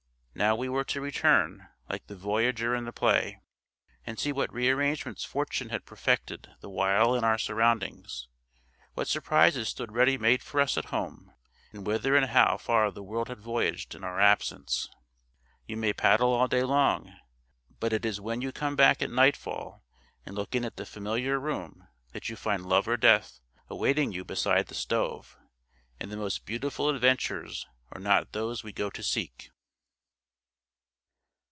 Now we were to return, like the voyager in the play, and see what rearrangements fortune had perfected the while in our surroundings; what surprises stood ready made for us at home; and whither and how far the world had voyaged in our absence. You may paddle all day long; but it is when you come back at nightfall, and look in at the familiar room, that you find Love or Death awaiting you beside the stove; and the most beautiful adventures are not those we go to seek.